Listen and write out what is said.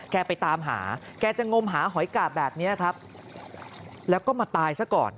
ไปตามหาแกจะงมหาหอยกาบแบบนี้ครับแล้วก็มาตายซะก่อน